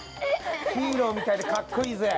ヒーローみたいでかっこいいぜ！